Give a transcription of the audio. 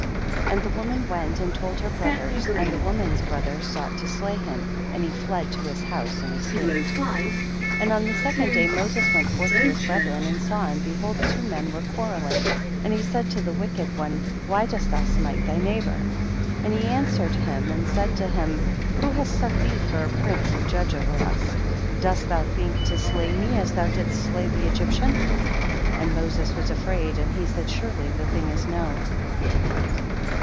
6. And the woman went and told her brothers, and the woman's bro thers sought to slay him, and he fled to his house and escaped. 7. And on the second day Moses went forth to his brethren, and saw, and behold two men were quarreling, and he said to the wicked one, why dost thou smite thy neighbor ? 8. And he answered him and said to him, who has set thee for a prince and judge over us ? dost thou think to slay mc as thou didst slay the Egyptian ? and Moses was afraid and he said, surely the thing is known